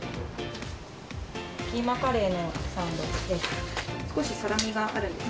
キーマカレーのサンドです。